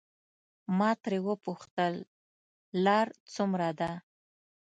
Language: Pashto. ما ترې وپوښتل لار څومره ده.